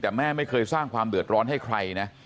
แต่แม่ไม่เคยสร้างความเดือดร้อนให้ใครนะ